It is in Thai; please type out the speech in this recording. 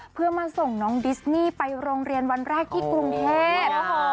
เพื่อมาส่งน้องดิสนี่ไปโรงเรียนวันแรกที่กรุงเทพ